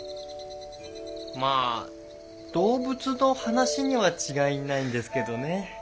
まあ動物の話には違いないんですけどね。